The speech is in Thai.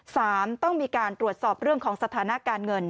สามต้องมีการตรวจสอบเรื่องของสถานการณ์เงิน